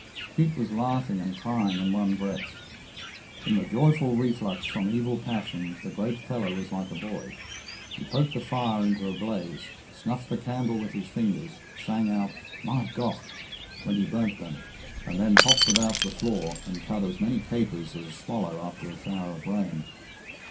Pete was laughing and crying in one breath. In the joyful reflux from evil passions the great fellow was like a boy. He poked the fire into a blaze, snuffed the candle with his fingers, sang out "My gough!" when he burnt them, and then hopped about the floor and cut as many capers as a swallow after a shower of rain.